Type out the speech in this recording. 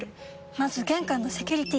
まず玄関のセキュリティ！